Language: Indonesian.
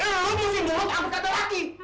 eh lo mesti duluan aku kata laki